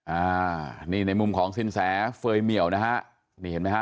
อ่านี่ในมุมของสินแสเฟย์เหมียวนะฮะ